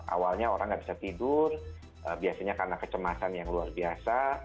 awalnya orang nggak bisa tidur biasanya karena kecemasan yang luar biasa